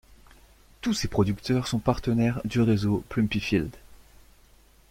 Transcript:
Tous ces producteurs sont partenaires du réseau PlumpyField.